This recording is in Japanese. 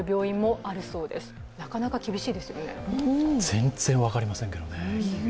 全然分かりませんけどね。